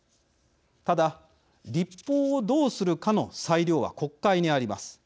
ただ、立法をどうするかの裁量は国会にあります。